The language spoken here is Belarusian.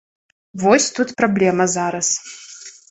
Вось тут праблема зараз.